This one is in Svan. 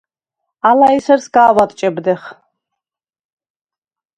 ალა ესერ სგავ ადჭებდეხ.